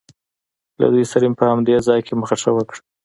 له دوی سره مې په همدې ځای کې مخه ښه وکړ.